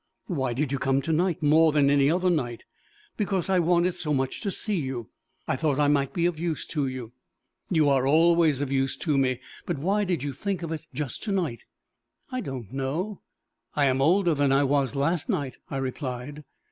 "Why did you come to night more than any other night?" "Because I wanted so much to see you. I thought I might be of use to you." "You are always of use to me; but why did you think of it just to night?" "I don't know. I am older than I was last night," I replied.